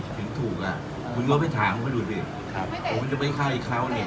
ถึงถูกอ่ะคุณก็ไปถามเขาดูดิครับผมจะไปฆ่าอีกครั้วเนี้ย